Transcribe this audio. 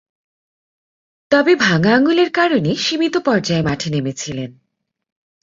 তবে, ভাঙ্গা আঙ্গুলের কারণে সীমিত পর্যায়ে মাঠে নেমেছিলেন।